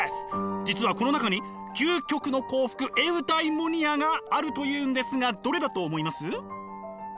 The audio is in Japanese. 実はこの中に究極の幸福エウダイモニアがあるというんですがどれだと思います？